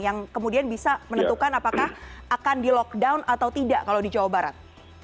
yang kemudian bisa menentukan apakah akan di lockdown atau tidak kalau di jawa barat